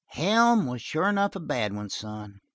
"Helm was a sure enough bad one, son.